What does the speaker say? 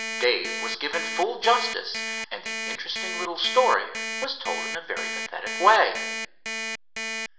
Dave was given full justice, and the interesting little story was told in a very pathetic way.